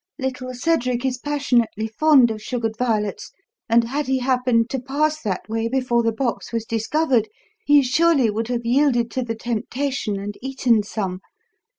Little Cedric is passionately fond of sugared violets, and, had he happened to pass that way before the box was discovered, he surely would have yielded to the temptation and eaten some.